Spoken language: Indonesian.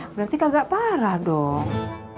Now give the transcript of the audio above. berarti kagak parah dong